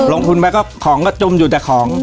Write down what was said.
ลงทุนไปก็ของก็จุ่มอยู่แต่ของ